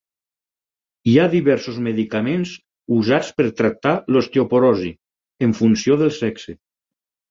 Hi ha diversos medicaments usats per tractar l'osteoporosi, en funció del sexe.